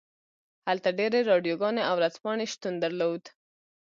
هلته ډیرې راډیوګانې او ورځپاڼې شتون درلود